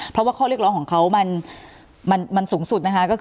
เพราะว่าข้อเรียกร้องของเขามันสูงสุดนะคะ